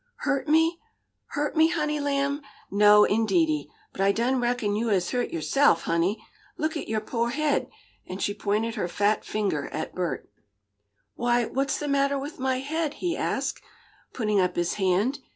"Hurt me? Hurt me, honey lamb? No indeedy, but I done reckon yo' has hurt yo'se'f, honey! Look at yo' pore haid!" and she pointed her fat finger at Bert. "Why, what's the matter with my head?" he asked, putting up his hand.